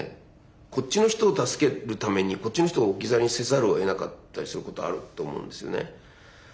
こっちの人を助けるためにこっちの人を置き去りにせざるをえなかったりすることあると思うんですよね。